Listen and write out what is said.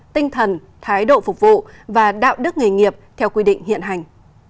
tinh thần thái độ phục vụ và đạo đức nghề nghiệp theo quy định hiện hành